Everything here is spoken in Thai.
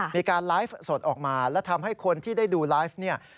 มีการไลฟ์สดออกมาและทำให้คนที่ได้ดูไลฟ์เนี่ย